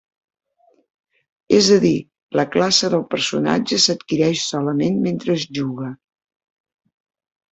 És a dir, la classe del personatge s'adquireix solament mentre es juga.